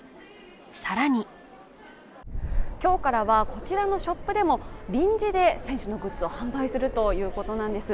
更に今日からはこちらのショップでも臨時で選手のグッズを販売するということなんです。